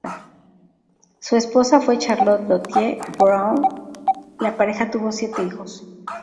Su esposa fue Charlotte "Lottie" Brown; La pareja tuvo siete hijos.